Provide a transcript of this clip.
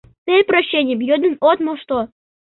Тый прощенийым йодын от мошто!